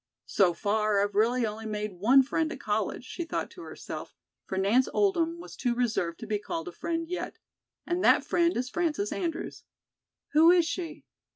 "So far, I've really only made one friend at college," she thought to herself, for Nance Oldham was too reserved to be called a friend yet, "and that friend is Frances Andrews. Who is she?